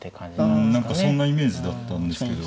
何かそんなイメージだったんですけど。